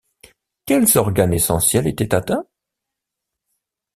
Quels organes essentiels étaient atteints?